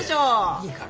いいから。